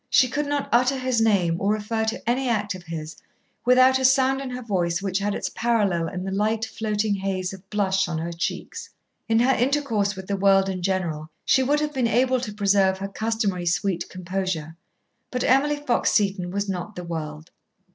She could not utter his name or refer to any act of his without a sound in her voice which had its parallel in the light floating haze of blush on her cheeks. In her intercourse with the world in general she would have been able to preserve her customary sweet composure, but Emily Fox Seton was not the world.